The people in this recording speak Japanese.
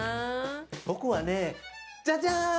僕はねジャジャーン！